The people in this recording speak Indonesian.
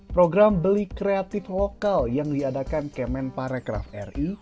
program beli kreatif lokal yang diadakan kemen parekraf ri